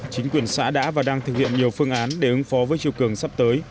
chính quyền xã đã và đang thực hiện nhiều phương án để ứng phó với chiều cường sắp tới